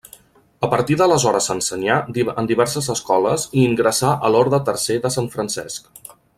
A partir d'aleshores ensenyà en diverses escoles i ingressà a l'Orde Tercer de Sant Francesc.